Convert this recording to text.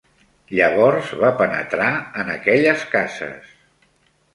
Llavors va penetrar en aquelles cases